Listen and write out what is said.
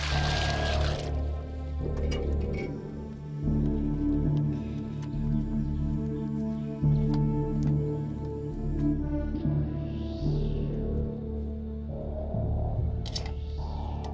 sekarang gurum katakan averin modo